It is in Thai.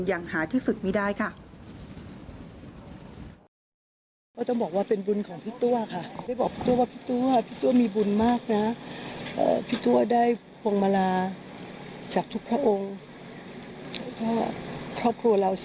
อย่างหาที่สุดไม่ได้ค่ะ